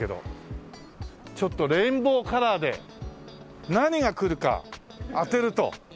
ちょっとレインボーカラーで何が来るか当てると。